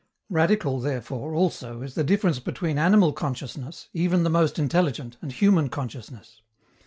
Radical therefore, also, is the difference between animal consciousness, even the most intelligent, and human consciousness.